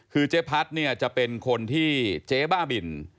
คือเจ๊พัดเนี่ยจะเป็นคนที่เจ๊บ้าบิน